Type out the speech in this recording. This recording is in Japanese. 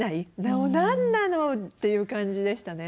「もう何なの！」っていう感じでしたね。